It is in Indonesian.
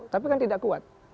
tapi kan tidak kuat